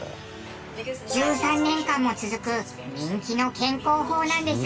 １３年間も続く人気の健康法なんです。